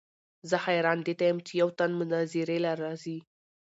زۀ حېران دې ته يم چې يو تن مناظرې له راځي